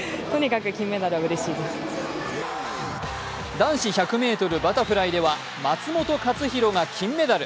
男子１００ｍバタフライでは松元克央が金メダル。